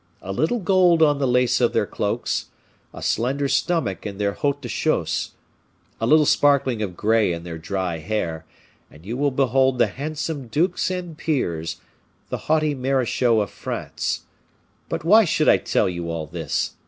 A little gold on the lace of their cloaks, a slender stomach in their hauts de chausses, a little sparkling of gray in their dry hair, and you will behold the handsome dukes and peers, the haughty marechaux of France. But why should I tell you all this?